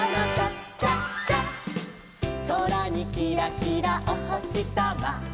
「そらにキラキラおほしさま」